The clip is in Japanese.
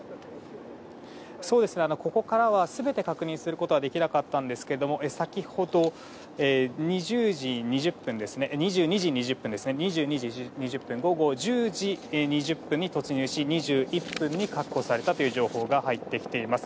ここからは全て確認することはできなかったんですが先ほど、２２時２０分午後１０時２０分に突入し２１分に確保されたという情報が入ってきています。